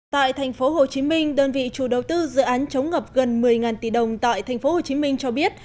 tại thành phố hồ chí minh đơn vị chủ đầu tư dự án chống ngập gần một mươi tỷ đồng tại thành phố hồ chí minh cho biết